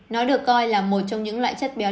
nó được coi là một trong những loại chất béo